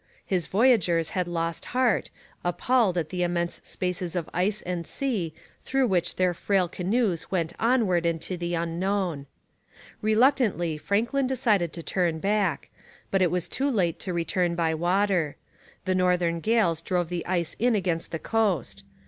His voyageurs had lost heart, appalled at the immense spaces of ice and sea through which their frail canoes went onward into the unknown. Reluctantly, Franklin decided to turn back. But it was too late to return by water. The northern gales drove the ice in against the coast.